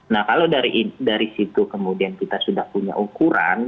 nah kalau dari situ kemudian kita sudah punya ukuran